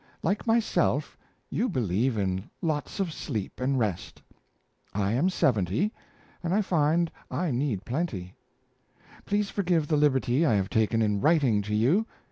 Like myself, you believe in lots of sleep and rest. I am 70 and I find I need plenty. Please forgive the liberty I have taken in writing to you.